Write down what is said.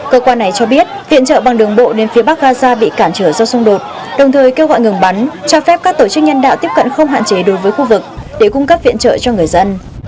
cơ quan này cho biết viện trợ bằng đường bộ đến phía bắc gaza bị cản trở do xung đột đồng thời kêu gọi ngừng bắn cho phép các tổ chức nhân đạo tiếp cận không hạn chế đối với khu vực để cung cấp viện trợ cho người dân